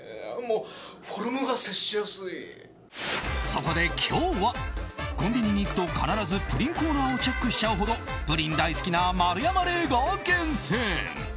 そこで今日はコンビニに行くと必ずプリンコーナーをチェックしちゃうほどプリン大好きな丸山礼が厳選。